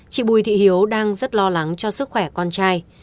chị bùi thị hiếu đang rất lo lắng cho sức khỏe con trai